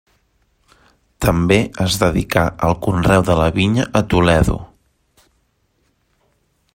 També es dedicà al conreu de la vinya a Toledo.